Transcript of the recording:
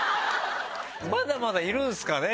まだまだいるんすかね？